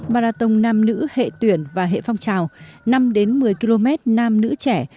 marathon nam nữ hệ tuyển và hệ phong trào năm một mươi km nam nữ trẻ